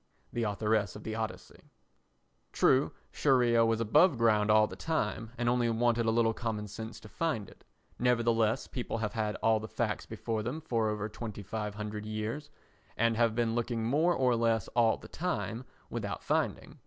[The Authoress of the Odyssey.] True, Scheria was above ground all the time and only wanted a little common sense to find it; nevertheless people have had all the facts before them for over 2500 years and have been looking more or less all the time without finding.